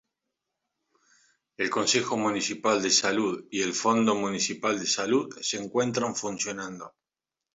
El Consejo Municipal de Salud y el Fondo Municipal de Salud se encuentran funcionando.